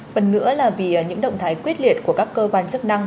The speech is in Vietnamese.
phần nữa là vì những động thái quyết liệt của các cơ quan chức năng